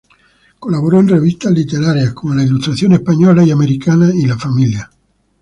Colaboró en revistas literarias como "La Ilustración Española y Americana" y "La Familia".